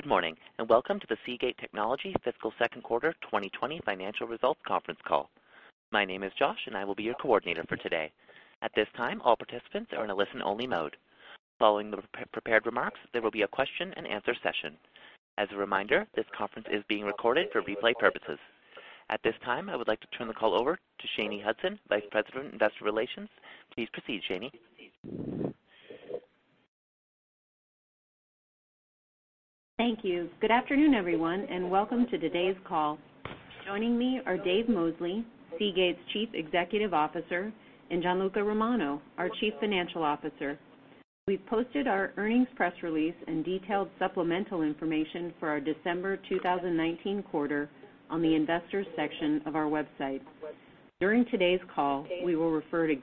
Good morning, and welcome to the Seagate Technology fiscal second quarter 2020 financial results conference call. My name is Josh, and I will be your coordinator for today. At this time, all participants are in a listen-only mode. Following the prepared remarks, there will be a question and answer session. As a reminder, this conference is being recorded for replay purposes. At this time, I would like to turn the call over to Shanye Hudson, Vice President of Investor Relations. Please proceed, Shanye. Thank you. Good afternoon, everyone, and welcome to today's call. Joining me are Dave Mosley, Seagate's Chief Executive Officer, and Gianluca Romano, our Chief Financial Officer. We've posted our earnings press release and detailed supplemental information for our December 2019 quarter on the investors section of our website. During today's call, we will refer to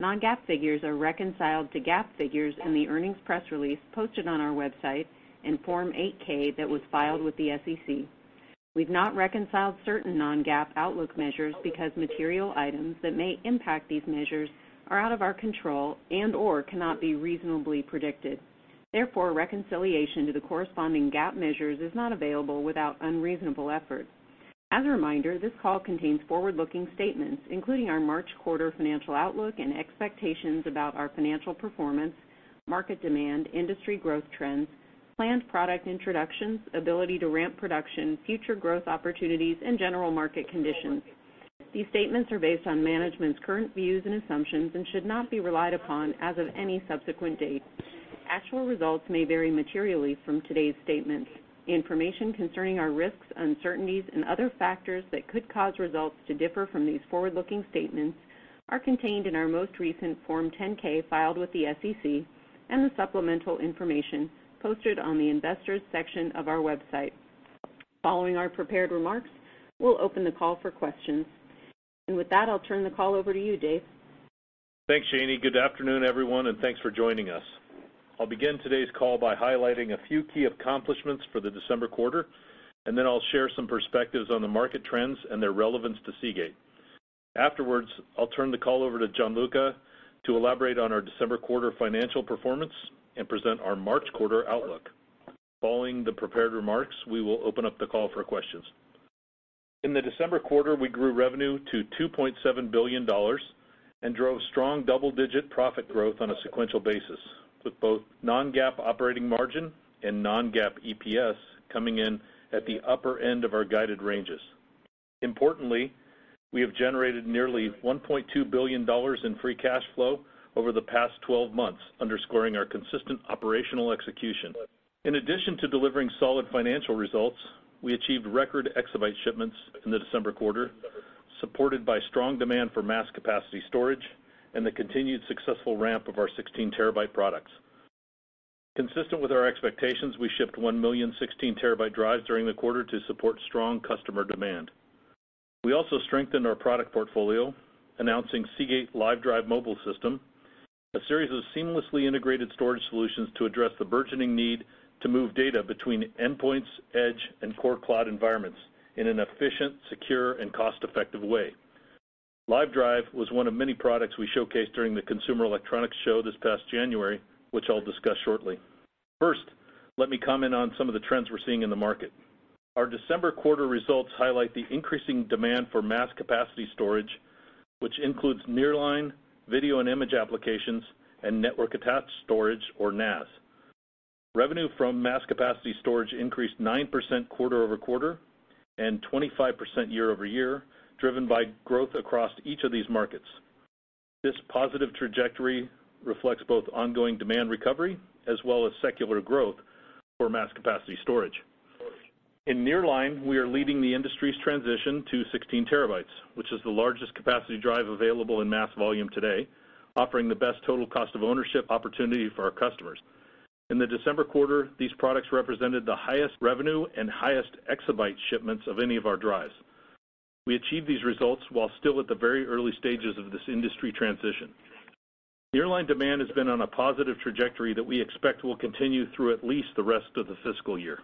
GAAP and non-GAAP measures. Non-GAAP figures are reconciled to GAAP figures in the earnings press release posted on our website in Form 8-K that was filed with the SEC. We've not reconciled certain non-GAAP outlook measures because material items that may impact these measures are out of our control and/or cannot be reasonably predicted. Therefore, reconciliation to the corresponding GAAP measures is not available without unreasonable effort. As a reminder, this call contains forward-looking statements, including our March quarter financial outlook and expectations about our financial performance, market demand, industry growth trends, planned product introductions, ability to ramp production, future growth opportunities, and general market conditions. These statements are based on management's current views and assumptions and should not be relied upon as of any subsequent date. Actual results may vary materially from today's statements. Information concerning our risks, uncertainties, and other factors that could cause results to differ from these forward-looking statements are contained in our most recent Form 10-K filed with the SEC and the supplemental information posted on the investors section of our website. Following our prepared remarks, we'll open the call for questions. With that, I'll turn the call over to you, Dave. Thanks, Shanye. Good afternoon, everyone, and thanks for joining us. I'll begin today's call by highlighting a few key accomplishments for the December quarter, and then I'll share some perspectives on the market trends and their relevance to Seagate. Afterwards, I'll turn the call over to Gianluca to elaborate on our December quarter financial performance and present our March quarter outlook. Following the prepared remarks, we will open up the call for questions. In the December quarter, we grew revenue to $2.7 billion and drove strong double-digit profit growth on a sequential basis, with both non-GAAP operating margin and non-GAAP EPS coming in at the upper end of our guided ranges. Importantly, we have generated nearly $1.2 billion in free cash flow over the past 12 months, underscoring our consistent operational execution. In addition to delivering solid financial results, we achieved record exabyte shipments in the December quarter, supported by strong demand for mass capacity storage and the continued successful ramp of our 16 TB products. Consistent with our expectations, we shipped one million 16 TB drives during the quarter to support strong customer demand. We also strengthened our product portfolio, announcing Seagate Lyve Drive Mobile System, a series of seamlessly integrated storage solutions to address the burgeoning need to move data between endpoints, edge, and core cloud environments in an efficient, secure, and cost-effective way. Lyve Drive was one of many products we showcased during the Consumer Electronics Show this past January, which I'll discuss shortly. First, let me comment on some of the trends we're seeing in the market. Our December quarter results highlight the increasing demand for mass capacity storage, which includes nearline, video and image applications, and network-attached storage or NAS. Revenue from mass capacity storage increased 9% quarter-over-quarter and 25% year-over-year, driven by growth across each of these markets. This positive trajectory reflects both ongoing demand recovery as well as secular growth for mass capacity storage. In nearline, we are leading the industry's transition to 16 TB, which is the largest capacity drive available in mass volume today, offering the best total cost of ownership opportunity for our customers. In the December quarter, these products represented the highest revenue and highest exabyte shipments of any of our drives. We achieved these results while still at the very early stages of this industry transition. Nearline demand has been on a positive trajectory that we expect will continue through at least the rest of the fiscal year.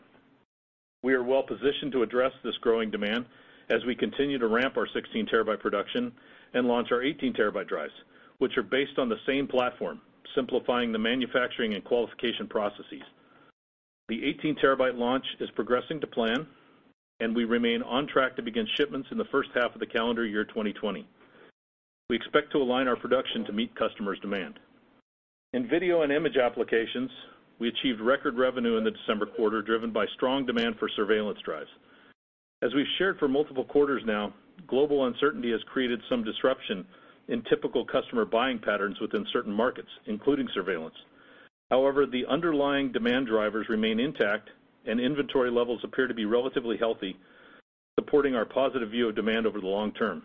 We are well positioned to address this growing demand as we continue to ramp our 16 TB production and launch our 18 TB drives, which are based on the same platform, simplifying the manufacturing and qualification processes. The 18 TB launch is progressing to plan, and we remain on track to begin shipments in the first half of the calendar year 2020. We expect to align our production to meet customers' demand. In video and image applications, we achieved record revenue in the December quarter, driven by strong demand for surveillance drives. As we've shared for multiple quarters now, global uncertainty has created some disruption in typical customer buying patterns within certain markets, including surveillance. The underlying demand drivers remain intact, and inventory levels appear to be relatively healthy, supporting our positive view of demand over the long term.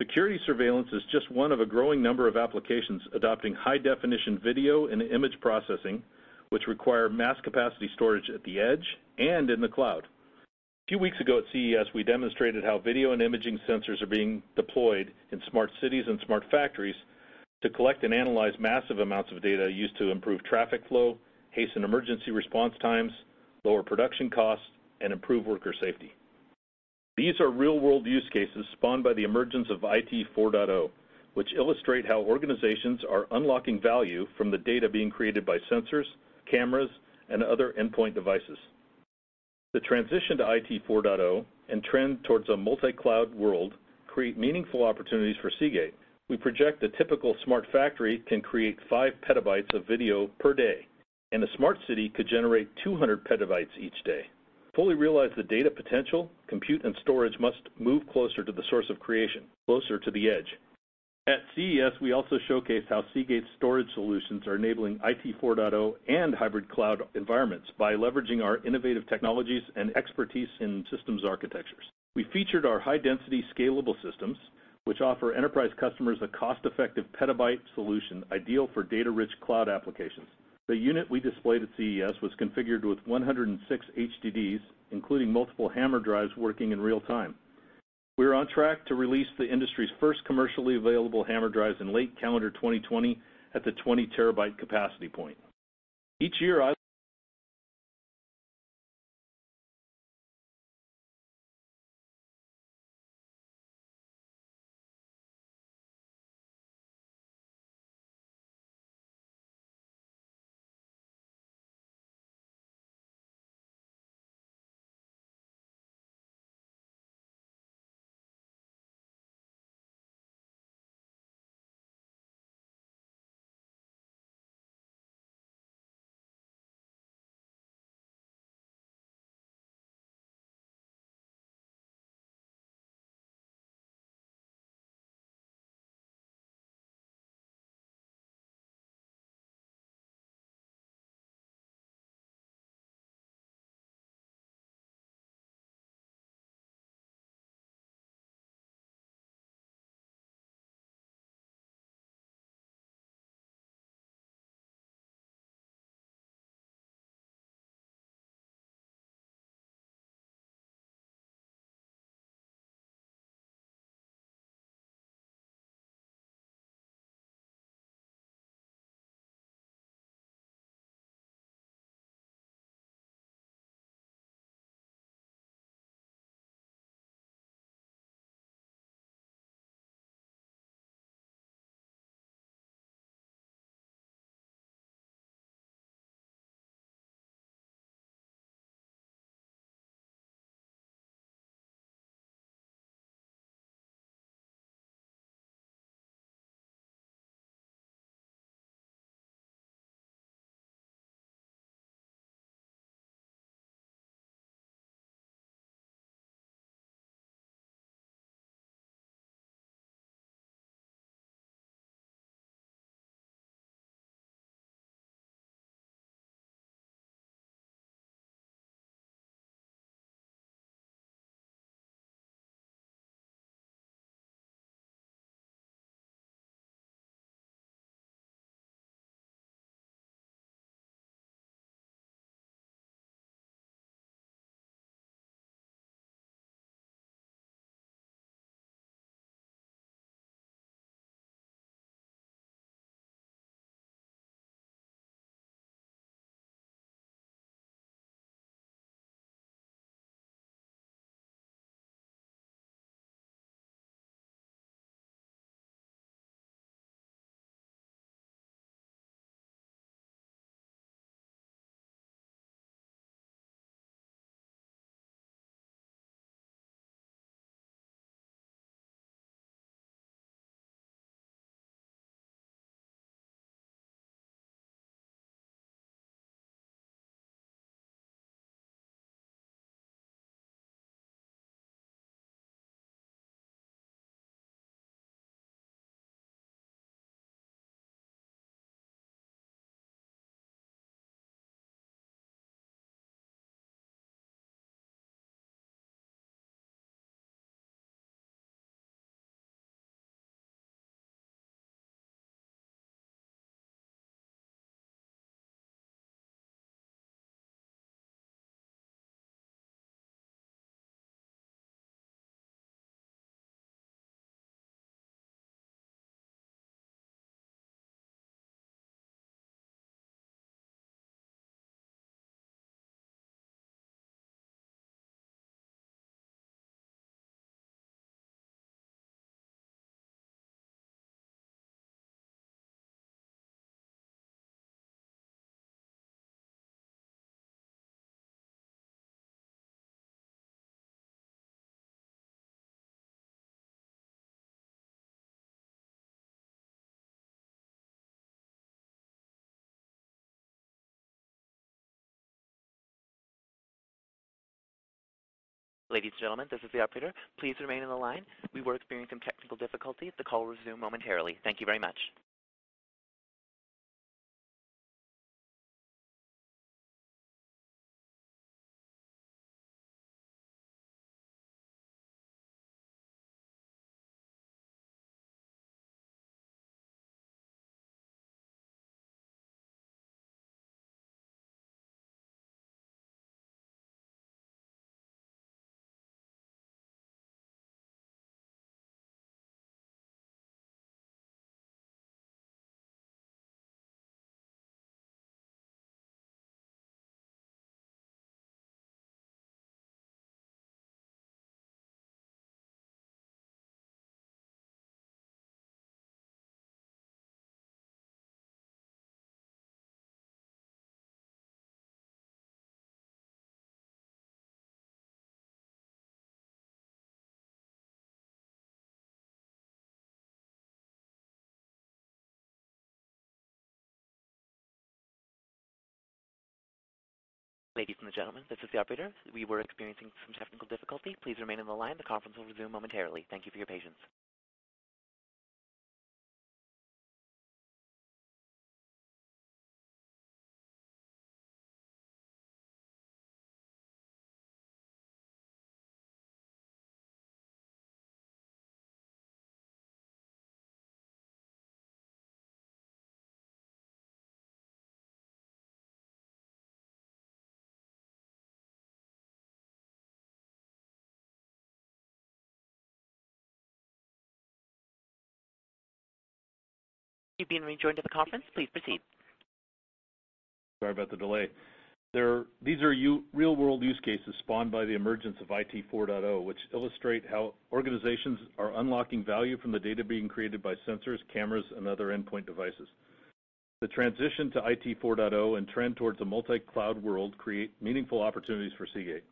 Security surveillance is just one of a growing number of applications adopting high-definition video and image processing, which require mass capacity storage at the edge and in the cloud. A few weeks ago at CES, we demonstrated how video and imaging sensors are being deployed in smart cities and smart factories to collect and analyze massive amounts of data used to improve traffic flow, hasten emergency response times, lower production costs, and improve worker safety. These are real-world use cases spawned by the emergence of IT 4.0, which illustrate how organizations are unlocking value from the data being created by sensors, cameras, and other endpoint devices. The transition to IT 4.0 and trend towards a multi-cloud world create meaningful opportunities for Seagate. We project a typical smart factory can create five PB of video per day, and a smart city could generate 200 PB each day. To fully realize the data potential, compute and storage must move closer to the source of creation, closer to the edge. At CES, we also showcased how Seagate storage solutions are enabling IT 4.0 and hybrid cloud environments by leveraging our innovative technologies and expertise in systems architectures. We featured our high-density scalable systems, which offer enterprise customers a cost-effective PB solution ideal for data-rich cloud applications. The unit we displayed at CES was configured with 106 HDDs, including multiple HAMR drives working in real time. We are on track to release the industry's first commercially available HAMR drives in late calendar 2020 at the 20 TB capacity point. Each year. Ladies and gentlemen, this is the operator. Please remain on the line. We were experiencing technical difficulties. The call will resume momentarily. Thank you very much. Ladies and gentlemen, this is the operator. We were experiencing some technical difficulty. Please remain on the line. The conference will resume momentarily. Thank you for your patience. You've been rejoined to the conference. Please proceed. Sorry about the delay. These are real-world use cases spawned by the emergence of IT 4.0, which illustrate how organizations are unlocking value from the data being created by sensors, cameras, and other endpoint devices. The transition to IT 4.0 and trend towards a multi-cloud world create meaningful opportunities for Seagate.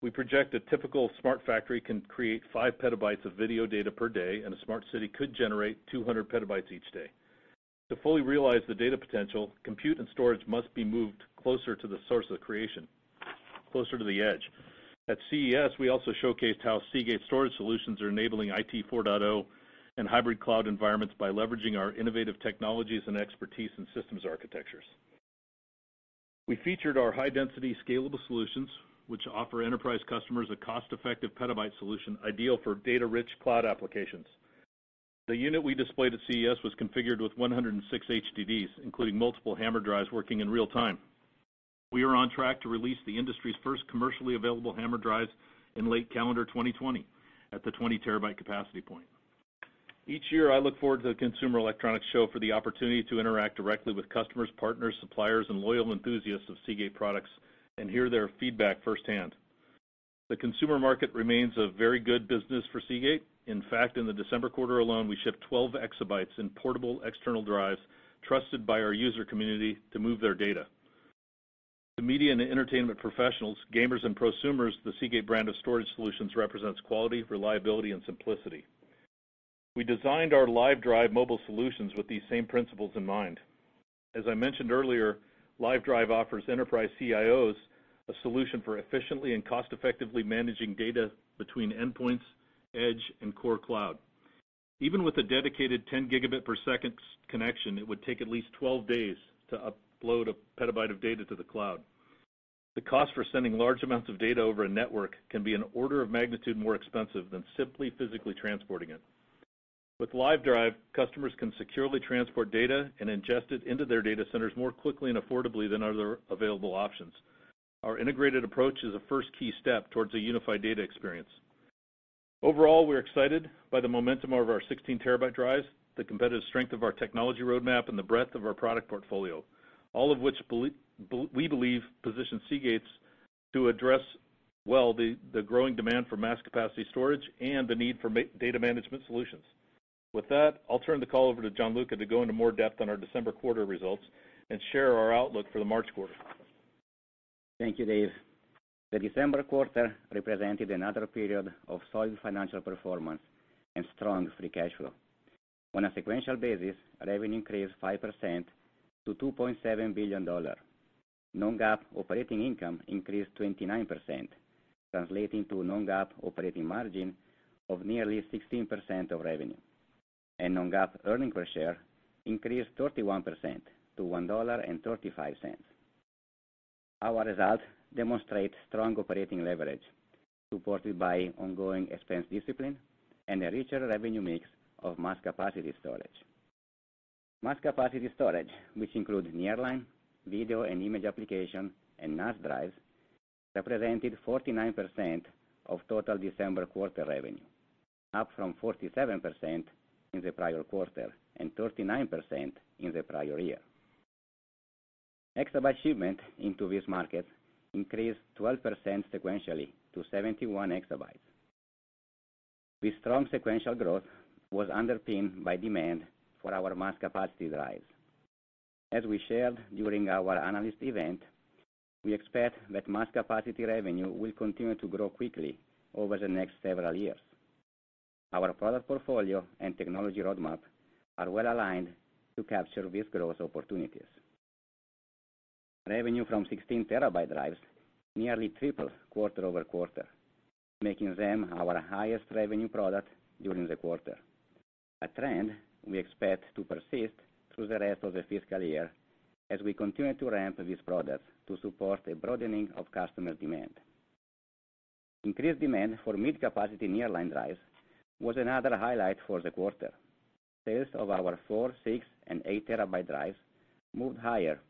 We project a typical smart factory can create five PB of video data per day, and a smart city could generate 200 PB each day. To fully realize the data potential, compute and storage must be moved closer to the source of creation, closer to the edge. At CES, we also showcased how Seagate storage solutions are enabling IT 4.0 and hybrid cloud environments by leveraging our innovative technologies and expertise in systems architectures. We featured our high-density scalable solutions, which offer enterprise customers a cost-effective PB solution ideal for data-rich cloud applications. The unit we displayed at CES was configured with 106 HDDs, including multiple HAMR drives working in real time. We are on track to release the industry's first commercially available HAMR drives in late calendar 2020 at the 20 TB capacity point. Each year, I look forward to the Consumer Electronics Show for the opportunity to interact directly with customers, partners, suppliers, and loyal enthusiasts of Seagate products and hear their feedback firsthand. The consumer market remains a very good business for Seagate. In fact, in the December quarter alone, we shipped 12 exabytes in portable external drives trusted by our user community to move their data. To media and entertainment professionals, gamers, and prosumers, the Seagate brand of storage solutions represents quality, reliability, and simplicity. We designed our Lyve Drive Mobile System with these same principles in mind. As I mentioned earlier, Lyve Drive offers enterprise CIOs a solution for efficiently and cost-effectively managing data between endpoints, edge, and core cloud. Even with a dedicated 10 Gb per second connection, it would take at least 12 days to upload a PB of data to the cloud. The cost for sending large amounts of data over a network can be an order of magnitude more expensive than simply physically transporting it. With Lyve Drive, customers can securely transport data and ingest it into their data centers more quickly and affordably than other available options. Our integrated approach is a first key step towards a unified data experience. Overall, we're excited by the momentum of our 16 TB drives, the competitive strength of our technology roadmap, and the breadth of our product portfolio, all of which we believe position Seagate to address well the growing demand for mass capacity storage and the need for data management solutions. With that, I'll turn the call over to Gianluca to go into more depth on our December quarter results and share our outlook for the March quarter. Thank you, Dave. The December quarter represented another period of solid financial performance and strong free cash flow. On a sequential basis, revenue increased 5% to $2.7 billion. Non-GAAP operating income increased 29%, translating to non-GAAP operating margin of nearly 16% of revenue, and non-GAAP earnings per share increased 31% to $1.35. Our results demonstrate strong operating leverage supported by ongoing expense discipline and a richer revenue mix of mass capacity storage. Mass capacity storage, which includes nearline, video and image application, and NAS drives, represented 49% of total December quarter revenue, up from 47% in the prior quarter and 39% in the prior year. Exabyte shipment into this market increased 12% sequentially to 71 exabytes. This strong sequential growth was underpinned by demand for our mass capacity drives. As we shared during our analyst event, we expect that mass capacity revenue will continue to grow quickly over the next several years. Our product portfolio and technology roadmap are well aligned to capture these growth opportunities. Revenue from 16 TB drives nearly tripled quarter-over-quarter, making them our highest revenue product during the quarter, a trend we expect to persist through the rest of the fiscal year as we continue to ramp these products to support a broadening of customer demand. Increased demand for mid-capacity nearline drives was another highlight for the quarter. Sales of our four, six, and eight TB drives moved higher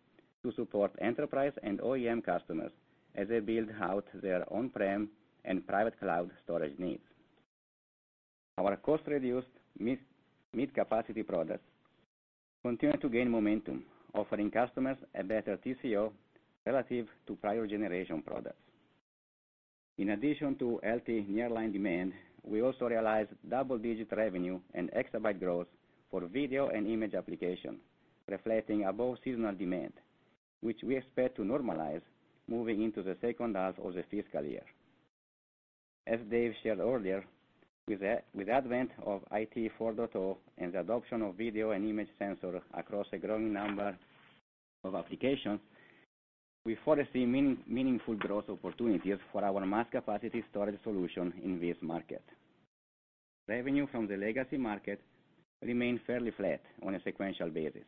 to support enterprise and OEM customers as they build out their on-prem and private cloud storage needs. Our cost-reduced mid-capacity products continue to gain momentum, offering customers a better TCO relative to prior generation products. In addition to healthy nearline demand, we also realized double-digit revenue and exabyte growth for video and image application, reflecting above-seasonal demand, which we expect to normalize moving into the second half of the fiscal year. As Dave shared earlier, with the advent of IT 4.0 and the adoption of video and image sensor across a growing number of applications, we foresee meaningful growth opportunities for our mass capacity storage solution in this market. Revenue from the legacy market remained fairly flat on a sequential basis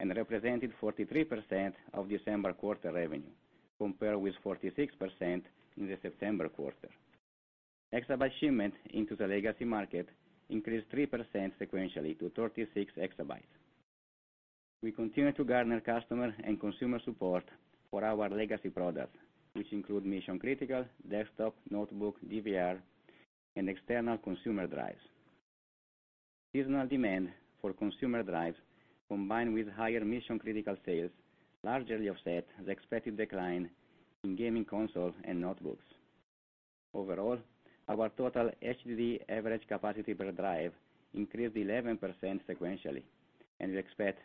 and represented 43% of December quarter revenue, compared with 46% in the September quarter. Exabyte shipment into the legacy market increased 3% sequentially to 36 exabytes. We continue to garner customer and consumer support for our legacy products, which include mission-critical, desktop, notebook, DVR, and external consumer drives. Seasonal demand for consumer drives, combined with higher mission-critical sales, largely offset the expected decline in gaming consoles and notebooks. Overall, our total HDD average capacity per drive increased 11% sequentially, and we expect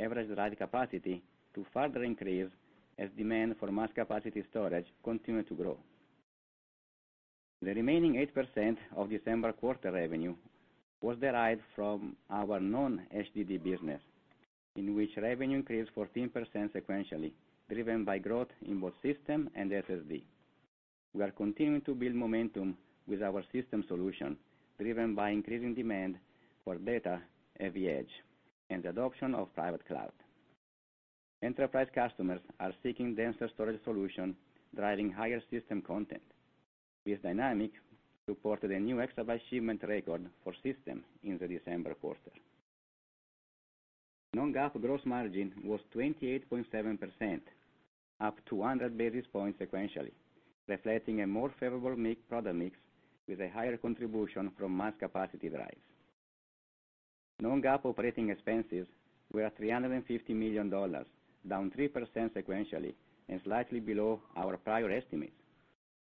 average drive capacity to further increase as demand for mass capacity storage continue to grow. The remaining 8% of December quarter revenue was derived from our non-HDD business, in which revenue increased 14% sequentially, driven by growth in both System and SSD. We are continuing to build momentum with our system solution, driven by increasing demand for data at the edge and the adoption of private cloud. Enterprise customers are seeking denser storage solution, driving higher system content. This dynamic supported a new exabyte shipment record for System in the December quarter. Non-GAAP gross margin was 28.7%, up 200 basis points sequentially, reflecting a more favorable product mix with a higher contribution from mass capacity drives. Non-GAAP operating expenses were at $350 million, down 3% sequentially and slightly below our prior estimates,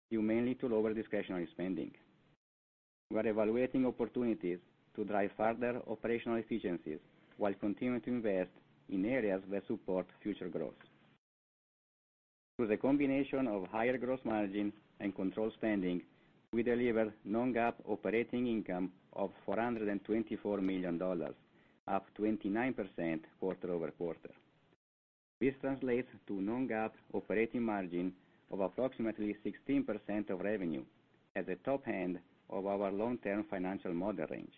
due mainly to lower discretionary spending. We are evaluating opportunities to drive further operational efficiencies while continuing to invest in areas that support future growth. Through the combination of higher gross margin and controlled spending, we delivered non-GAAP operating income of $424 million, up 29% quarter-over-quarter. This translates to non-GAAP operating margin of approximately 16% of revenue at the top end of our long-term financial model range.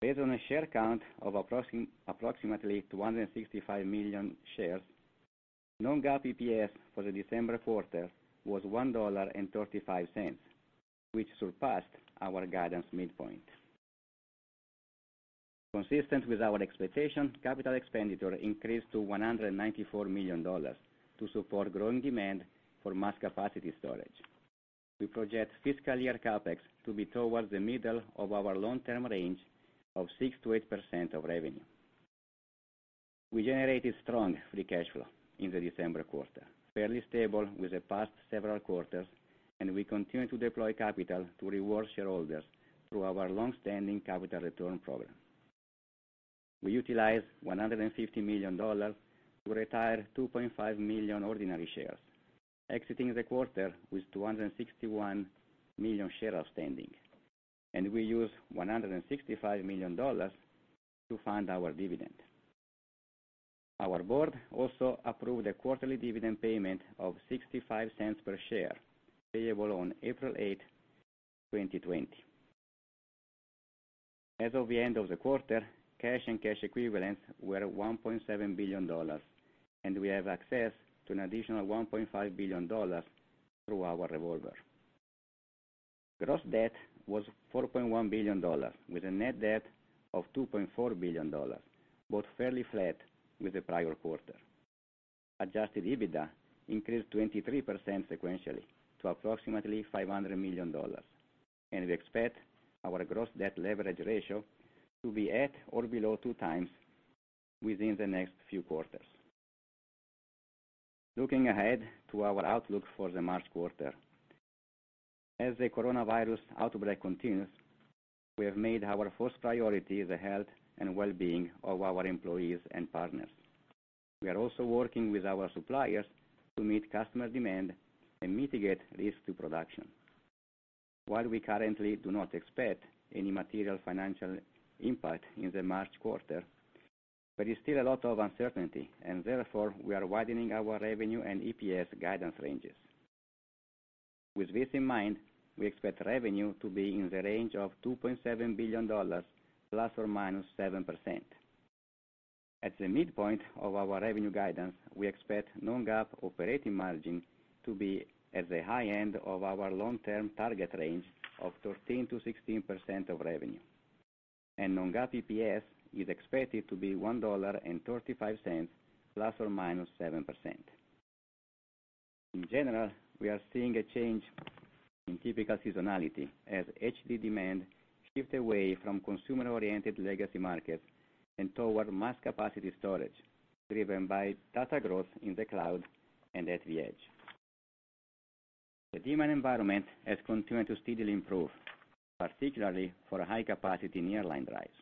Based on a share count of approximately 265 million shares, non-GAAP EPS for the December quarter was $1.35, which surpassed our guidance midpoint. Consistent with our expectation, capital expenditure increased to $194 million to support growing demand for mass capacity storage. We project fiscal year CapEx to be towards the middle of our long-term range of 6%-8% of revenue. We generated strong free cash flow in the December quarter, fairly stable with the past several quarters, and we continue to deploy capital to reward shareholders through our longstanding capital return program. We utilized $150 million to retire 2.5 million ordinary shares, exiting the quarter with 261 million shares outstanding, and we used $165 million to fund our dividend. Our board also approved a quarterly dividend payment of $0.65 per share, payable on April 8, 2020. As of the end of the quarter, cash and cash equivalents were $1.7 billion, and we have access to an additional $1.5 billion through our revolver. Gross debt was $4.1 billion, with a net debt of $2.4 billion, both fairly flat with the prior quarter. Adjusted EBITDA increased 23% sequentially to approximately $500 million. We expect our gross debt leverage ratio to be at or below two times within the next few quarters. Looking ahead to our outlook for the March quarter. As the coronavirus outbreak continues, we have made our first priority the health and well-being of our employees and partners. We are also working with our suppliers to meet customer demand and mitigate risk to production. While we currently do not expect any material financial impact in the March quarter, there is still a lot of uncertainty, and therefore, we are widening our revenue and EPS guidance ranges. With this in mind, we expect revenue to be in the range of $2.7 billion, ±7%. At the midpoint of our revenue guidance, we expect non-GAAP operating margin to be at the high end of our long-term target range of 13%-16% of revenue, and non-GAAP EPS is expected to be $1.35 ±7%. We are seeing a change in typical seasonality as HD demand shifts away from consumer-oriented legacy markets and toward mass capacity storage, driven by data growth in the cloud and at the edge. The demand environment has continued to steadily improve, particularly for high-capacity nearline drives.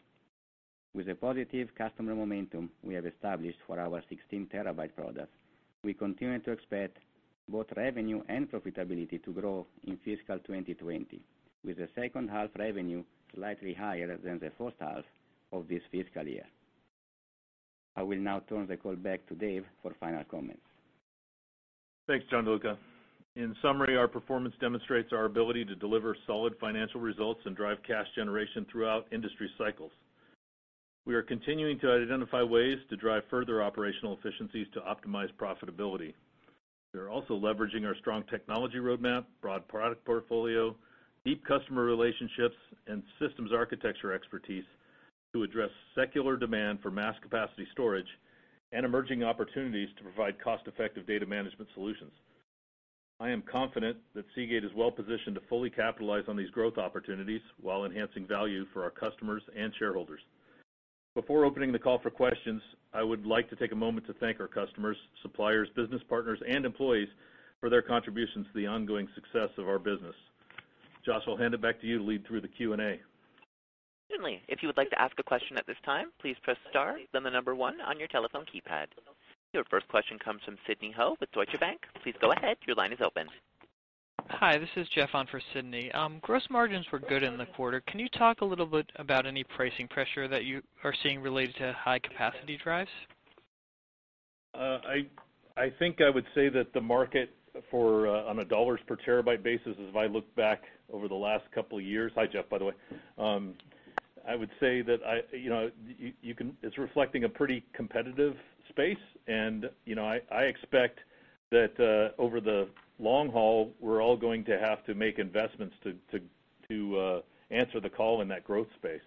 With the positive customer momentum we have established for our 16 TB products, we continue to expect both revenue and profitability to grow in fiscal 2020, with the second half revenue slightly higher than the first half of this fiscal year. I will now turn the call back to Dave for final comments. Thanks, Gianluca. In summary, our performance demonstrates our ability to deliver solid financial results and drive cash generation throughout industry cycles. We are continuing to identify ways to drive further operational efficiencies to optimize profitability. We are also leveraging our strong technology roadmap, broad product portfolio, deep customer relationships, and systems architecture expertise to address secular demand for mass capacity storage and emerging opportunities to provide cost-effective data management solutions. I am confident that Seagate is well-positioned to fully capitalize on these growth opportunities while enhancing value for our customers and shareholders. Before opening the call for questions, I would like to take a moment to thank our customers, suppliers, business partners, and employees for their contributions to the ongoing success of our business. Josh, I'll hand it back to you to lead through the Q&A. Certainly. If you would like to ask a question at this time, please press star, then the number one on your telephone keypad. Your first question comes from Sidney Ho with Deutsche Bank. Please go ahead. Your line is open. Hi, this is Jeff on for Sidney. Gross margins were good in the quarter. Can you talk a little bit about any pricing pressure that you are seeing related to high-capacity drives? I think I would say that the market on a dollars per TB basis, as I look back over the last couple of years. Hi, Jeff, by the way. I would say that it's reflecting a pretty competitive space, and I expect that over the long haul, we're all going to have to make investments to answer the call in that growth space.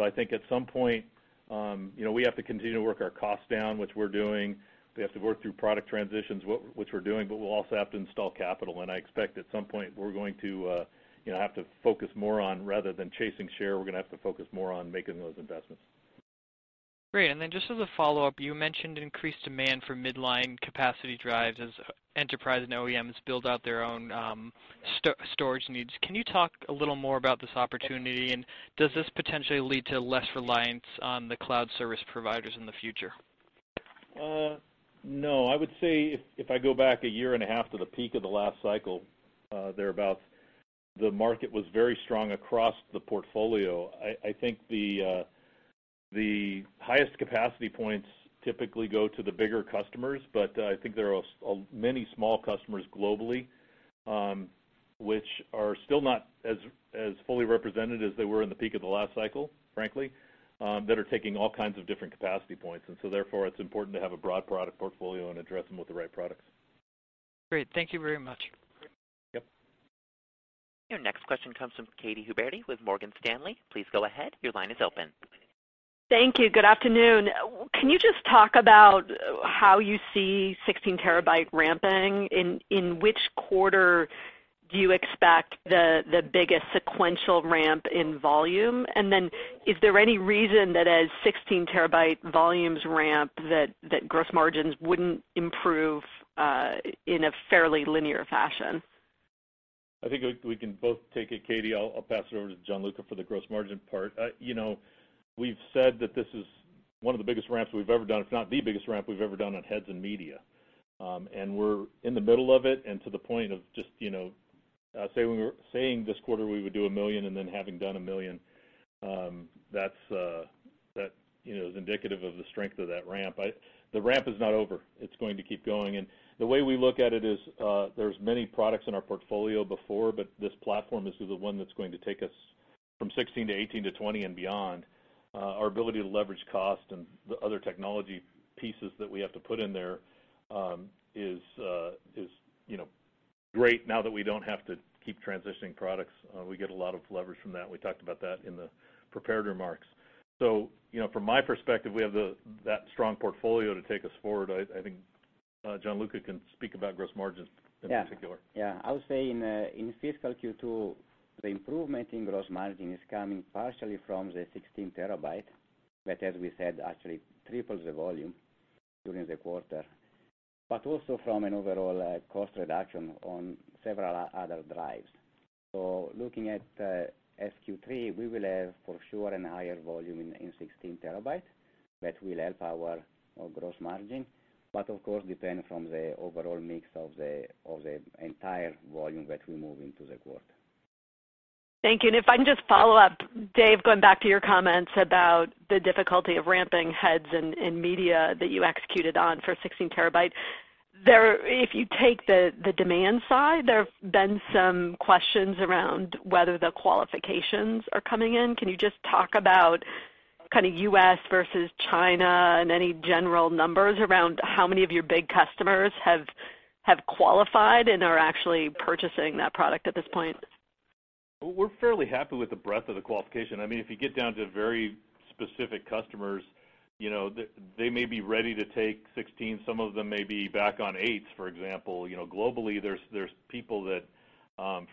I think at some point, we have to continue to work our costs down, which we're doing. We have to work through product transitions, which we're doing, but we'll also have to install capital. I expect at some point we have to focus more on, rather than chasing share, we're going to have to focus more on making those investments. Great. Just as a follow-up, you mentioned increased demand for midline capacity drives as enterprise and OEMs build out their own storage needs. Can you talk a little more about this opportunity? Does this potentially lead to less reliance on the cloud service providers in the future? No. I would say if I go back a year and a half to the peak of the last cycle or thereabout, the market was very strong across the portfolio. I think the highest capacity points typically go to the bigger customers, but I think there are many small customers globally, which are still not as fully represented as they were in the peak of the last cycle, frankly, that are taking all kinds of different capacity points. Therefore, it's important to have a broad product portfolio and address them with the right products. Great. Thank you very much. Yep. Your next question comes from Katy Huberty with Morgan Stanley. Please go ahead. Your line is open. Thank you. Good afternoon. Can you just talk about how you see 16 TB ramping? In which quarter do you expect the biggest sequential ramp in volume? Is there any reason that as 16 TB volumes ramp, that gross margins wouldn't improve in a fairly linear fashion? I think we can both take it, Katy. I'll pass it over to Gianluca for the gross margin part. We've said that this is one of the biggest ramps we've ever done, if not the biggest ramp we've ever done on heads and media. We're in the middle of it, and to the point of just saying this quarter we would do one million and then having done one million, that is indicative of the strength of that ramp. The ramp is not over. It's going to keep going. The way we look at it is there were many products in our portfolio before, but this platform is the one that's going to take us from 16 to 18 to 20 and beyond. Our ability to leverage cost and the other technology pieces that we have to put in there is great now that we don't have to keep transitioning products. We get a lot of leverage from that, and we talked about that in the prepared remarks. From my perspective, we have that strong portfolio to take us forward. I think Gianluca can speak about gross margins in particular. I would say in fiscal Q2, the improvement in gross margin is coming partially from the 16 TB, that as we said, actually tripled the volume during the quarter, but also from an overall cost reduction on several other drives. Looking at FQ3, we will have for sure a higher volume in 16 TB that will help our gross margin, but of course, depending on the overall mix of the entire volume that we move into the quarter. Thank you. If I can just follow up, Dave, going back to your comments about the difficulty of ramping heads and media that you executed on for 16 TB. If you take the demand side, there have been some questions around whether the qualifications are coming in. Can you just talk about U.S. versus China and any general numbers around how many of your big customers have qualified and are actually purchasing that product at this point? We're fairly happy with the breadth of the qualification. If you get down to very specific customers, they may be ready to take 16, some of them may be back on eights, for example. Globally, there's people that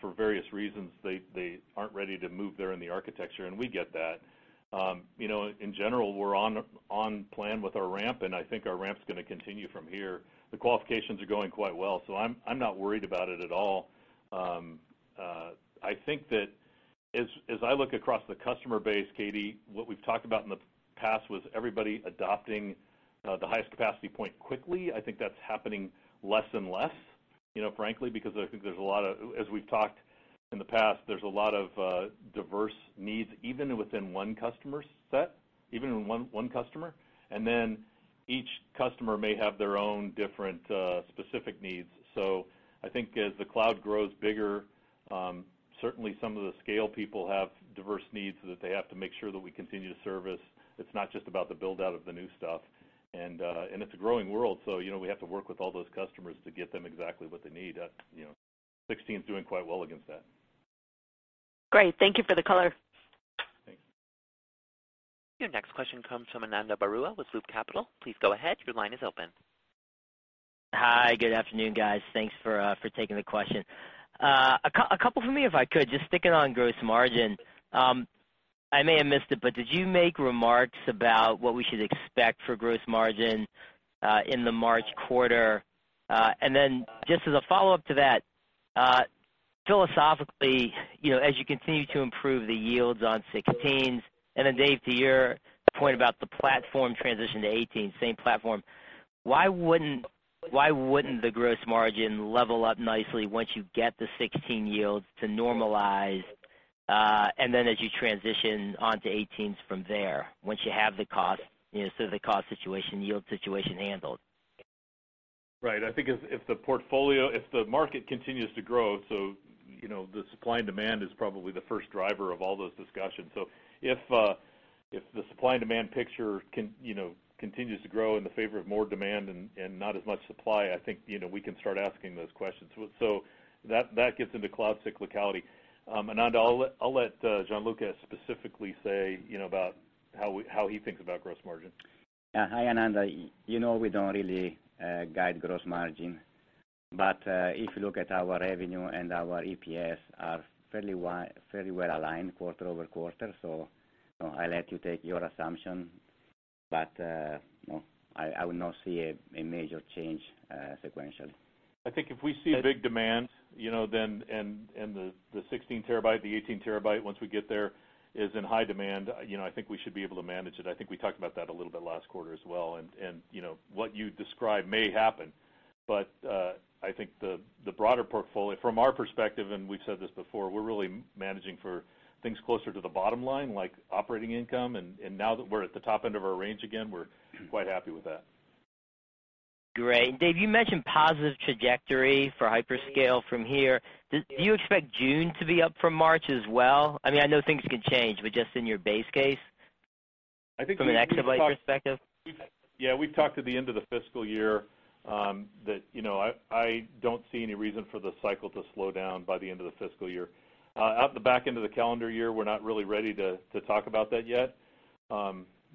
for various reasons, they aren't ready to move there in the architecture, and we get that. In general, we're on plan with our ramp, and I think our ramp's going to continue from here. The qualifications are going quite well, so I'm not worried about it at all. I think that as I look across the customer base, Katy, what we've talked about in the past was everybody adopting the highest capacity point quickly. I think that's happening less and less, frankly, because I think there's a lot of, as we've talked in the past, there's a lot of diverse needs, even within one customer set, even in one customer. Each customer may have their own different specific needs. I think as the cloud grows bigger, certainly some of the scale people have diverse needs so that they have to make sure that we continue to service. It's not just about the build-out of the new stuff. It's a growing world, so we have to work with all those customers to get them exactly what they need. 16's doing quite well against that. Great. Thank you for the color. Thanks. Your next question comes from Ananda Baruah with Loop Capital. Please go ahead, your line is open. Hi, good afternoon, guys. Thanks for taking the question. A couple from me, if I could, just sticking on gross margin. I may have missed it, but did you make remarks about what we should expect for gross margin in the March quarter? Just as a follow-up to that, philosophically, as you continue to improve the yields on 16s, and then Dave, to your point about the platform transition to 18, same platform, why wouldn't the gross margin level up nicely once you get the 16 yields to normalize, and then as you transition onto 18s from there, once you have the cost situation, yield situation handled? Right. I think if the market continues to grow, the supply and demand is probably the first driver of all those discussions. If the supply and demand picture continues to grow in the favor of more demand and not as much supply, I think we can start asking those questions. That gets into cloud cyclicality. Ananda, I'll let Gianluca specifically say about how he thinks about gross margin. Yeah. Hi, Ananda. You know we don't really guide gross margin. If you look at our revenue and our EPS are fairly well-aligned quarter-over-quarter. I let you take your assumption, but I would not see a major change sequentially. I think if we see a big demand and the 16 TB, the 18 TB, once we get there, is in high demand, I think we should be able to manage it. I think we talked about that a little bit last quarter as well. What you describe may happen. I think the broader portfolio from our perspective, and we've said this before, we're really managing for things closer to the bottom line, like operating income. Now that we're at the top end of our range again, we're quite happy with that. Great. Dave, you mentioned positive trajectory for hyperscale from here. Do you expect June to be up from March as well? I know things can change, but just in your base case from an exabyte perspective. Yeah, we've talked to the end of the fiscal year, that I don't see any reason for the cycle to slow down by the end of the fiscal year. At the back end of the calendar year, we're not really ready to talk about that yet,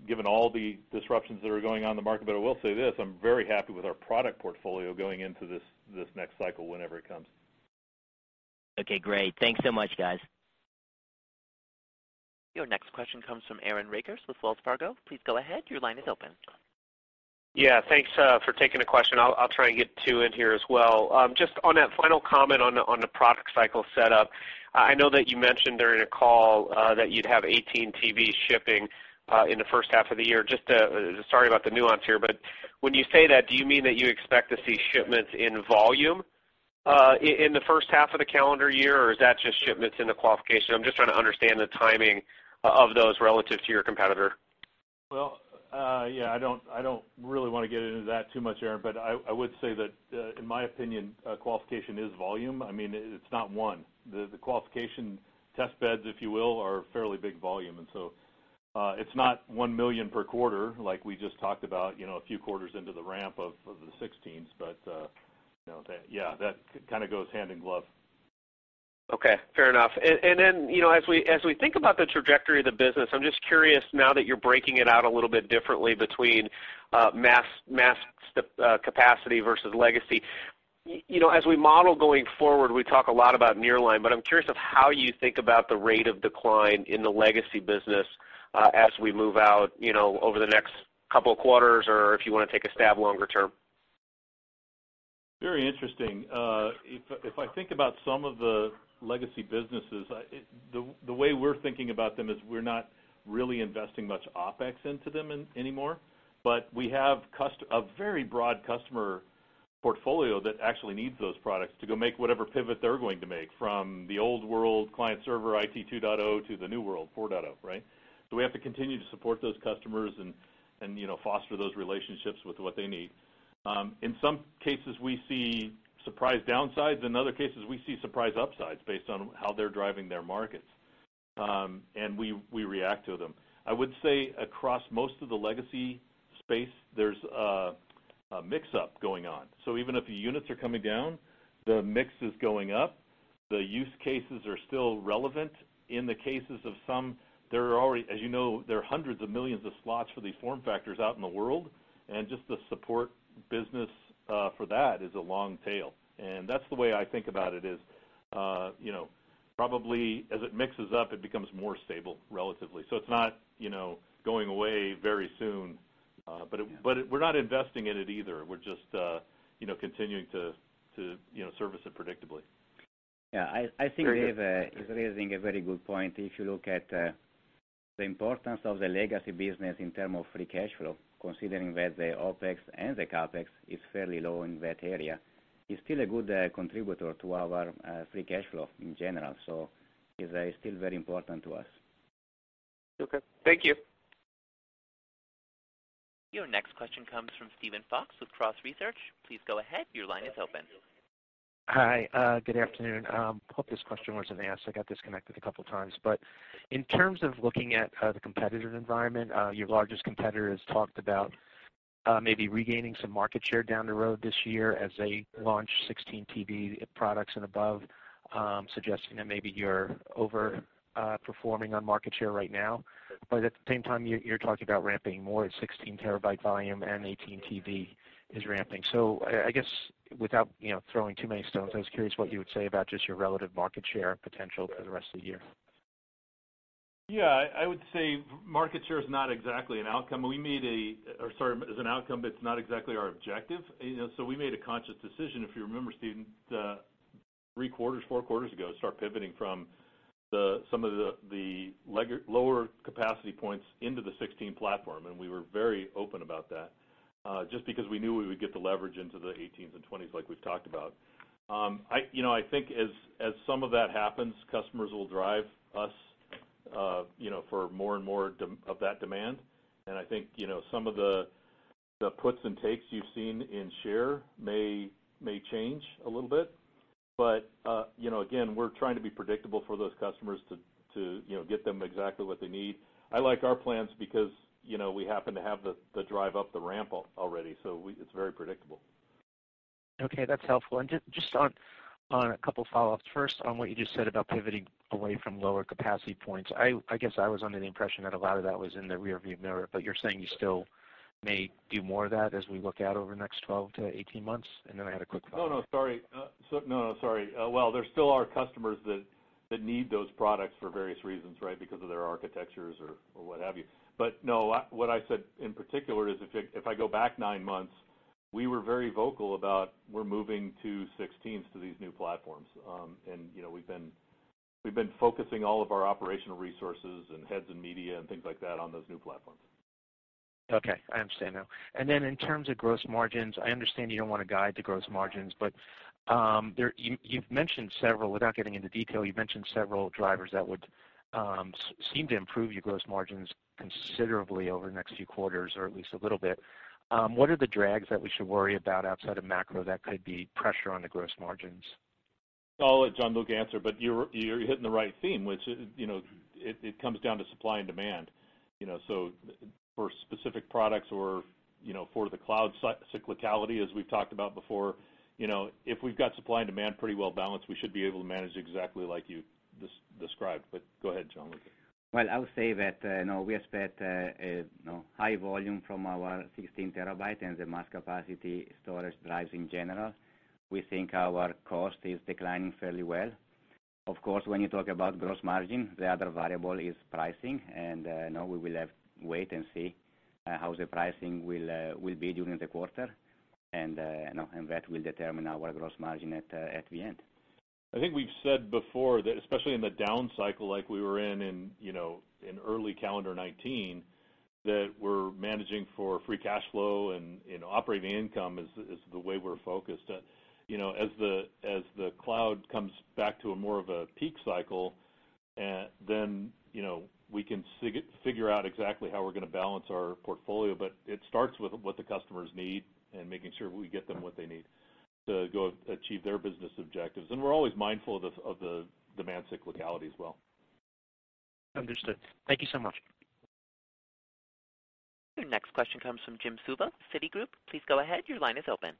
given all the disruptions that are going on in the market. I will say this, I'm very happy with our product portfolio going into this next cycle, whenever it comes. Okay, great. Thanks so much, guys. Your next question comes from Aaron Rakers with Wells Fargo. Please go ahead. Your line is open. Yeah, thanks for taking the question. I'll try and get two in here as well. Just on that final comment on the product cycle setup, I know that you mentioned during a call that you'd have 18 TB shipping in the first half of the year. Sorry about the nuance here, when you say that, do you mean that you expect to see shipments in volume in the first half of the calendar year, or is that just shipments in the qualification? I'm just trying to understand the timing of those relative to your competitor. Well, yeah, I don't really want to get into that too much, Aaron, but I would say that, in my opinion, qualification is volume. It's not one. The qualification test beds, if you will, are fairly big volume. It's not one million per quarter like we just talked about a few quarters into the ramp of the 16s. That kind of goes hand in glove. Okay, fair enough. As we think about the trajectory of the business, I'm just curious now that you're breaking it out a little bit differently between mass capacity versus legacy. As we model going forward, we talk a lot about nearline, but I'm curious of how you think about the rate of decline in the legacy business as we move out over the next couple of quarters, or if you want to take a stab longer term. Very interesting. If I think about some of the legacy businesses, the way we're thinking about them is we're not really investing much OpEx into them anymore. We have a very broad customer portfolio that actually needs those products to go make whatever pivot they're going to make from the old world client server IT 2.0 to the new world 4.0, right? We have to continue to support those customers and foster those relationships with what they need. In some cases, we see surprise downsides. In other cases, we see surprise upsides based on how they're driving their markets. We react to them. I would say across most of the legacy space, there's a mix-up going on. Even if the units are coming down, the mix is going up. The use cases are still relevant. In the cases of some, as you know, there are hundreds of millions of slots for these form factors out in the world, and just the support business for that is a long tail. That's the way I think about it is, probably as it mixes up, it becomes more stable relatively. It's not going away very soon. We're not investing in it either. We're just continuing to service it predictably. Yeah. I think Dave Very good. is raising a very good point. If you look at the importance of the legacy business in terms of free cash flow, considering that the OpEx and the CapEx are fairly low in that area, it's still a good contributor to our free cash flow in general. It's still very important to us. Okay. Thank you. Your next question comes from Steven Fox with Cross Research. Please go ahead. Your line is open. Hi. Good afternoon. Hope this question wasn't asked. I got disconnected a couple of times. In terms of looking at the competitive environment, your largest competitor has talked about maybe regaining some market share down the road this year as they launch 16 TB products and above, suggesting that maybe you're over-performing on market share right now. At the same time, you're talking about ramping more at 16 TB volume and 18 TB is ramping. I guess, without throwing too many stones, I was curious what you would say about just your relative market share potential for the rest of the year. I would say market share is not exactly an outcome. Sorry, is an outcome, but it's not exactly our objective. We made a conscious decision, if you remember, Steven, three quarters, four quarters ago, to start pivoting from some of the lower capacity points into the 16 platform, and we were very open about that, just because we knew we would get the leverage into the 18s and 20s like we've talked about. I think as some of that happens, customers will drive us for more and more of that demand. I think some of the puts and takes you've seen in share may change a little bit. Again, we're trying to be predictable for those customers to get them exactly what they need. I like our plans because we happen to have the drive up the ramp already, so it's very predictable. Okay, that's helpful. Just on a couple of follow-ups. First, on what you just said about pivoting away from lower capacity points, I guess I was under the impression that a lot of that was in the rear-view mirror, but you're saying you still may do more of that as we look out over the next 12-18 months? I had a quick follow-up. No, sorry. Well, there still are customers that need those products for various reasons, right? Because of their architectures or what have you. No, what I said in particular is if I go back nine months, we were very vocal about we're moving to 16s, to these new platforms. We've been focusing all of our operational resources and heads and media and things like that on those new platforms. Okay. I understand now. In terms of gross margins, I understand you don't want to guide to gross margins, but you've mentioned several, without getting into detail, you've mentioned several drivers that would seem to improve your gross margins considerably over the next few quarters, or at least a little bit. What are the drags that we should worry about outside of macro that could be pressure on the gross margins? I'll let Gianluca answer. You're hitting the right theme, which it comes down to supply and demand. For specific products or for the cloud cyclicality, as we've talked about before, if we've got supply and demand pretty well-balanced, we should be able to manage exactly like you described. Go ahead, Gianluca. Well, I would say that, we expect high volume from our 16 TB and the mass capacity storage drives in general. We think our cost is declining fairly well. Of course, when you talk about gross margin, the other variable is pricing, and we will have wait and see how the pricing will be during the quarter, and that will determine our gross margin at the end. I think we've said before that, especially in the down cycle like we were in in early calendar 2019, that we're managing for free cash flow and operating income is the way we're focused. As the cloud comes back to a more of a peak cycle, then we can figure out exactly how we're going to balance our portfolio. It starts with what the customers need and making sure we get them what they need to go achieve their business objectives. We're always mindful of the demand cyclicality as well. Understood. Thank you so much. Your next question comes from Jim Suva, Citigroup. Please go ahead. Your line is open.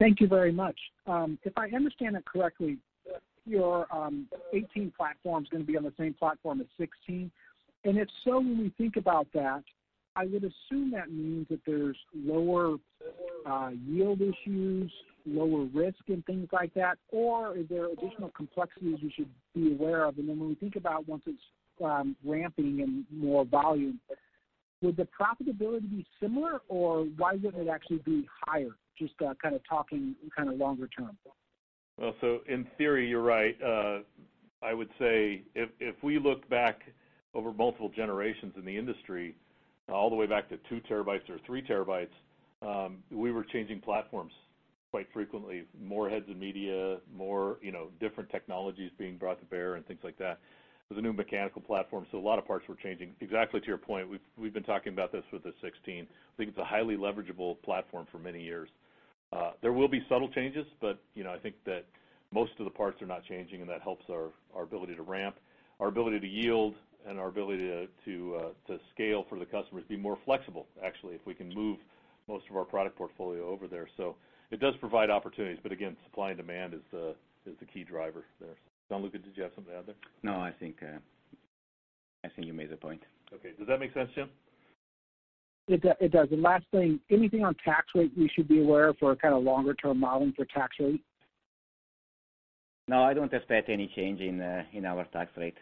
Thank you very much. If I understand that correctly, your 18 platform's going to be on the same platform as 16. If so, when we think about that, I would assume that means that there's lower yield issues, lower risk and things like that. Are there additional complexities we should be aware of? When we think about once it's ramping and more volume, would the profitability be similar, or why wouldn't it actually be higher? Just kind of talking kind of longer term. In theory, you're right. I would say if we look back over multiple generations in the industry, all the way back to two TB or three TB, we were changing platforms quite frequently. More heads of media, more different technologies being brought to bear and things like that. With the new mechanical platform, a lot of parts were changing. Exactly to your point, we've been talking about this with the 16. I think it's a highly leverageable platform for many years. There will be subtle changes, but I think that most of the parts are not changing, and that helps our ability to ramp, our ability to yield, and our ability to scale for the customers, be more flexible, actually, if we can move most of our product portfolio over there. It does provide opportunities, but again, supply and demand is the key driver there. Gianluca, did you have something to add there? No, I think you made the point. Okay. Does that make sense, Jim? It does. Last thing, anything on tax rate we should be aware of for longer-term modeling for tax rate? No, I don't expect any change in our tax rate.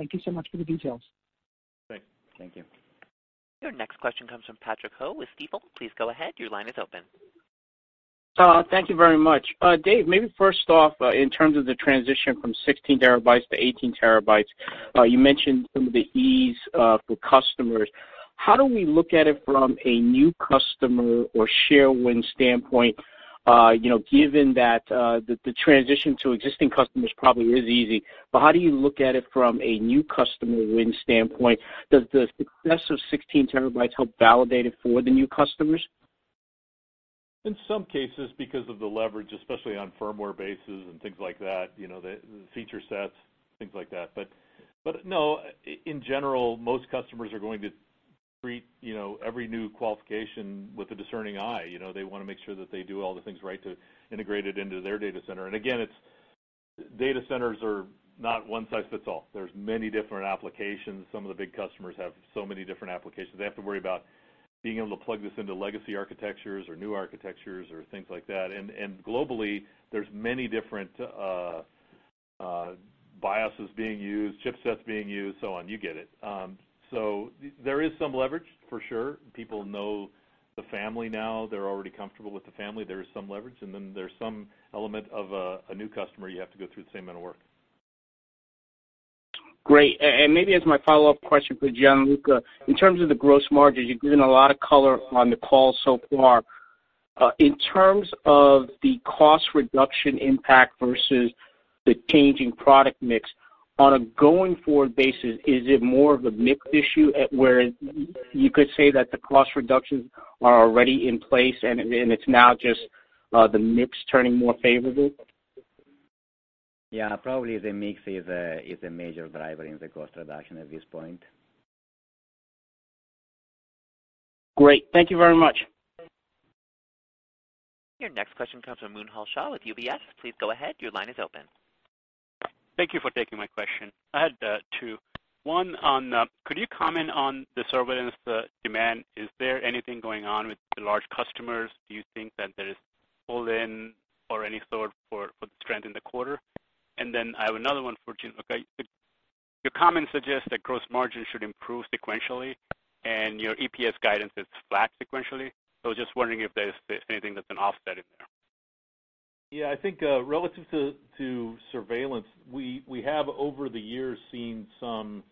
Thank you so much for the details. Great. Thank you. Your next question comes from Patrick Ho with Stifel. Please go ahead, your line is open. Thank you very much. Dave, maybe first off, in terms of the transition from 16 TB to 18 TB, you mentioned some of the ease for customers. How do we look at it from a new customer or share-win standpoint, given that the transition to existing customers probably is easy, but how do you look at it from a new customer win standpoint? Does the success of 16 TB help validate it for the new customers? In some cases, because of the leverage, especially on firmware bases and things like that, the feature sets, things like that. No, in general, most customers are going to treat every new qualification with a discerning eye. They want to make sure that they do all the things right to integrate it into their data center. Again, data centers are not one size fits all. There's many different applications. Some of the big customers have so many different applications. They have to worry about being able to plug this into legacy architectures or new architectures or things like that. Globally, there's many different BIOSes being used, chipsets being used, so on. You get it. There is some leverage for sure. People know the family now. They're already comfortable with the family. There is some leverage, and then there's some element of a new customer you have to go through the same amount of work. Great. Maybe as my follow-up question for Gianluca, in terms of the gross margin, you've given a lot of color on the call so far. In terms of the cost reduction impact versus the change in product mix, on a going forward basis, is it more of a mix issue where you could say that the cost reductions are already in place and it's now just the mix turning more favorable? Yeah, probably the mix is a major driver in the cost reduction at this point. Great. Thank you very much. Your next question comes from Munjal Shah with UBS. Please go ahead, your line is open. Thank you for taking my question. I had two. One on, could you comment on the surveillance demand? Is there anything going on with the large customers? Do you think that there is pull-in or any sort for the trend in the quarter? I have another one for Gianluca. Your comment suggests that gross margin should improve sequentially, and your EPS guidance is flat sequentially. I was just wondering if there's anything that's an offset in there. Yeah, I think relative to surveillance, we have over the years seen some,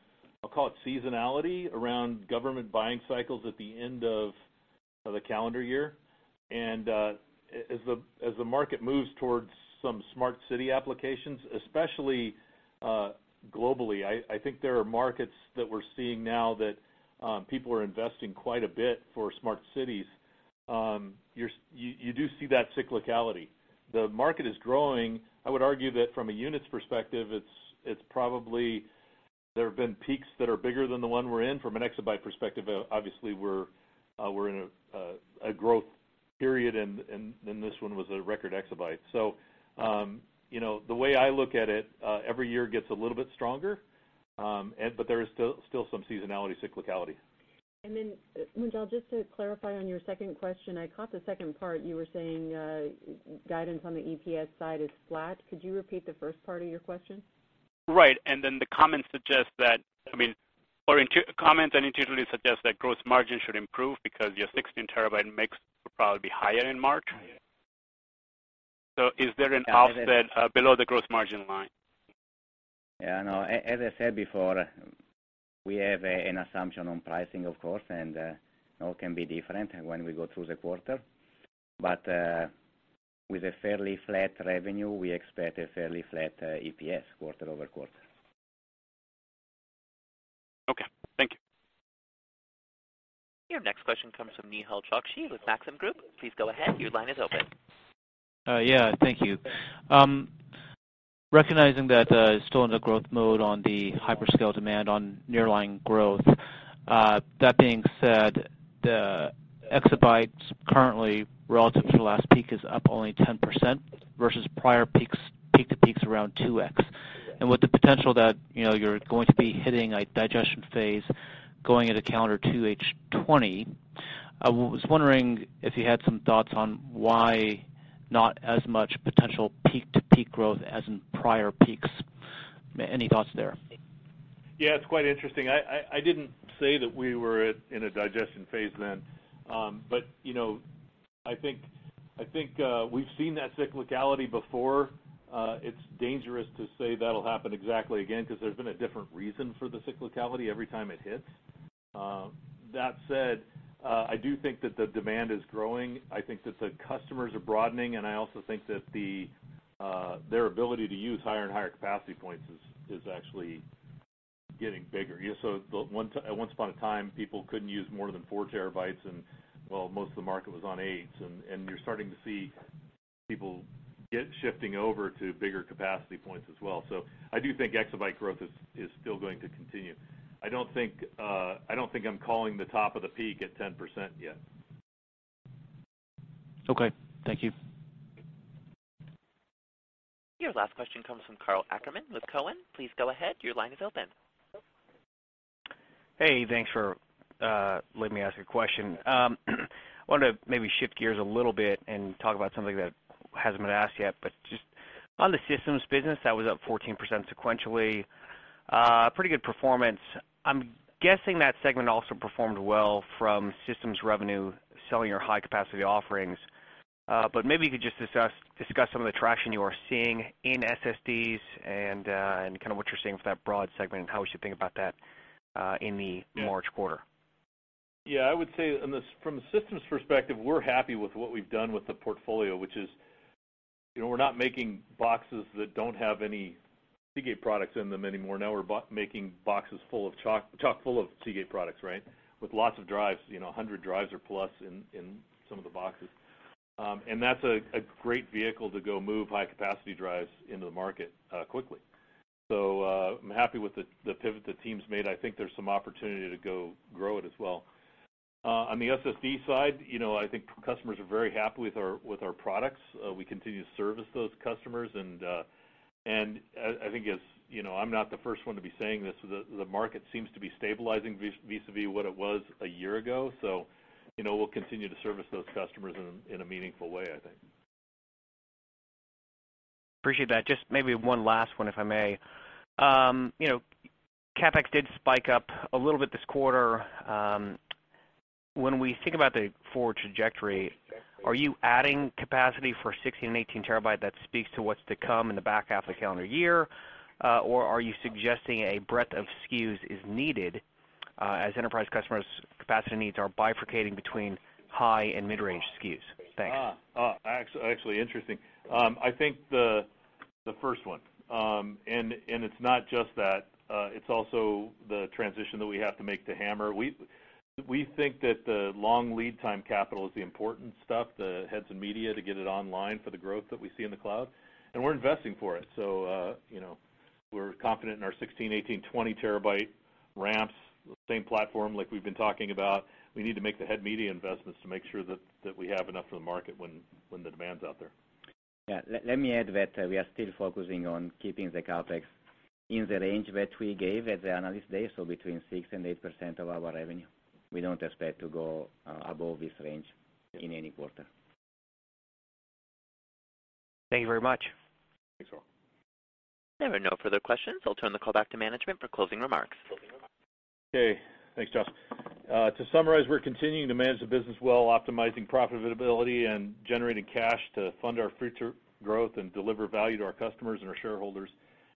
I'll call it seasonality around government buying cycles at the end of the calendar year. As the market moves towards some smart city applications, especially globally, I think there are markets that we're seeing now that people are investing quite a bit for smart cities. You do see that cyclicality. The market is growing. I would argue that from a units perspective, it's probably there have been peaks that are bigger than the one we're in. From an exabyte perspective, obviously we're in a growth period, and this one was a record exabyte. The way I look at it, every year gets a little bit stronger, but there is still some seasonality cyclicality. Munjal, just to clarify on your second question, I caught the second part. You were saying guidance on the EPS side is flat. Could you repeat the first part of your question? Right. The comment suggests that, I mean, or comment and intuitively suggests that gross margin should improve because your 16 TB mix will probably be higher in March. Higher. Is there an offset below the gross margin line? Yeah, no. As I said before, we have an assumption on pricing, of course, and all can be different when we go through the quarter. With a fairly flat revenue, we expect a fairly flat EPS quarter-over-quarter. Okay, thank you. Your next question comes from Nehal Chokshi with Maxim Group. Please go ahead, your line is open. Yeah, thank you. Recognizing that still in the growth mode on the hyperscale demand on nearline growth, that being said, the exabytes currently relative to last peak is up only 10% versus prior peak to peak's around 2x. With the potential that you're going to be hitting a digestion phase going into calendar 2H 2020, I was wondering if you had some thoughts on why not as much potential peak-to-peak growth as in prior peaks. Any thoughts there? Yeah, it's quite interesting. I didn't say that we were in a digestion phase then. I think we've seen that cyclicality before. It's dangerous to say that'll happen exactly again, because there's been a different reason for the cyclicality every time it hits. That said, I do think that the demand is growing. I think that the customers are broadening, and I also think that their ability to use higher and higher capacity points is actually getting bigger. Once upon a time, people couldn't use more than four TB, and well, most of the market was on 8s, and you're starting to see people get shifting over to bigger capacity points as well. I do think exabyte growth is still going to continue. I don't think I'm calling the top of the peak at 10% yet. Okay. Thank you. Your last question comes from Karl Ackerman with Cowen. Please go ahead. Your line is open. Hey, thanks for letting me ask a question. I wanted to maybe shift gears a little bit and talk about something that hasn't been asked yet, but just on the systems business, that was up 14% sequentially. A pretty good performance. I'm guessing that segment also performed well from systems revenue selling your high-capacity offerings. Maybe you could just discuss some of the traction you are seeing in SSDs and what you're seeing for that broad segment, and how we should think about that in the March quarter. Yeah, I would say from the systems perspective, we're happy with what we've done with the portfolio, which is we're not making boxes that don't have any Seagate products in them anymore. Now we're making boxes chock-full of Seagate products, with lots of drives, 100 drives or plus in some of the boxes. That's a great vehicle to go move high-capacity drives into the market quickly. I'm happy with the pivot the team's made. I think there's some opportunity to go grow it as well. On the SSD side, I think customers are very happy with our products. We continue to service those customers, and I think I'm not the first one to be saying this, the market seems to be stabilizing vis-a-vis what it was a year ago. We'll continue to service those customers in a meaningful way, I think. Appreciate that. Just maybe one last one, if I may. CapEx did spike up a little bit this quarter. When we think about the forward trajectory, are you adding capacity for 16 TB and 18 TB that speaks to what's to come in the back half of the calendar year? Or are you suggesting a breadth of SKUs is needed as enterprise customers' capacity needs are bifurcating between high and midline SKUs? Thanks. Actually interesting. I think the first one, and it's not just that, it's also the transition that we have to make to HAMR. We think that the long lead time capital is the important stuff, the heads and media to get it online for the growth that we see in the cloud, and we're investing for it. We're confident in our 16, 18, 20 TB ramps, the same platform like we've been talking about. We need to make the head media investments to make sure that we have enough for the market when the demand's out there. Yeah. Let me add that we are still focusing on keeping the CapEx in the range that we gave at the Analyst Day, so between 6% and 8% of our revenue. We don't expect to go above this range in any quarter. Thank you very much. Thanks, Karl. There are no further questions. I'll turn the call back to management for closing remarks. Okay. Thanks, Josh. To summarize, we're continuing to manage the business well, optimizing profitability and generating cash to fund our future growth and deliver value to our customers and our shareholders.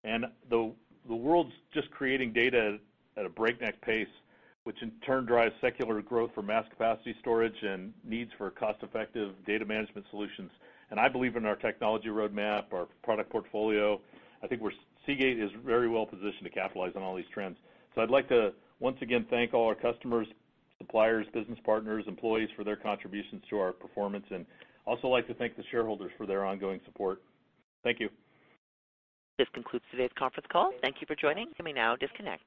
The world's just creating data at a breakneck pace, which in turn drives secular growth for mass capacity storage and needs for cost-effective data management solutions. I believe in our technology roadmap, our product portfolio. I think Seagate is very well-positioned to capitalize on all these trends. I'd like to once again thank all our customers, suppliers, business partners, employees for their contributions to our performance, and also like to thank the shareholders for their ongoing support. Thank you. This concludes today's conference call. Thank you for joining. You may now disconnect.